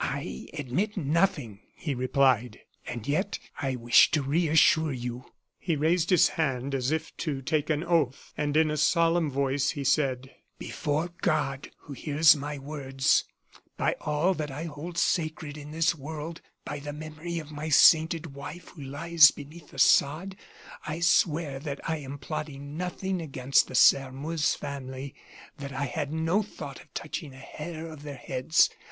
"I admit nothing," he replied. "And yet I wish to reassure you " He raised his hand as if to take an oath, and in a solemn voice, he said: "Before God, who hears my words, by all that I hold sacred in this world, by the memory of my sainted wife who lies beneath the sod, I swear that I am plotting nothing against the Sairmeuse family; that I had no thought of touching a hair of their heads.